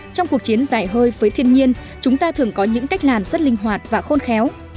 trong cuộc chiến dài hơi với thiên nhiên chúng ta thường có những cách làm rất linh hoạt và khôn khéo